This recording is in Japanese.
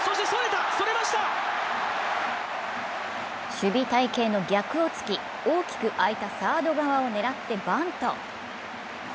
守備隊形の逆をつき大きくあいたサード側を狙ってバント。